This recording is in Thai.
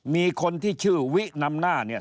มีคนที่ชื่อวินำหน้าเนี่ย